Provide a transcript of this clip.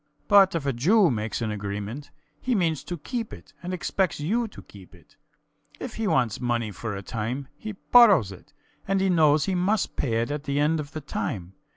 But if a Jew makes an agreement, he means to keep it and expects you to keep it. If he wants money for a time, he borrows it and knows he must pay it at the end of the time.